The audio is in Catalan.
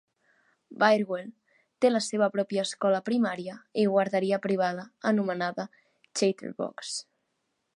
Birdwell té la seva pròpia escola primària i guarderia privada anomenada Chatterbox.